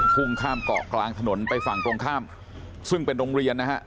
พุ่งข้ามเกาะกลางถนนไปฝั่งตรงข้ามซึ่งเป็นโรงเรียนนะฮะ